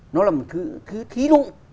nó là một thứ thí dụng